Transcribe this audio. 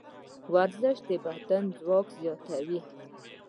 ورزش د بدن ځواک زیاتوي.